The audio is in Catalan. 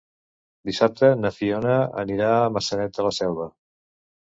Dissabte na Fiona anirà a Maçanet de la Selva.